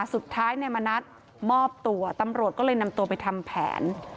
สุดท้ายนายมณัฐมอบตัวตำรวจก็เลยนำตัวไปทำแผน